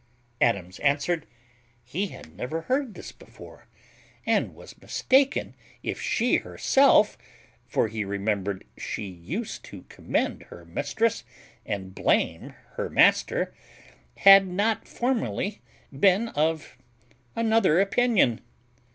Adams answered, "He had never heard this before, and was mistaken if she herself (for he remembered she used to commend her mistress and blame her master) had not formerly been of another opinion."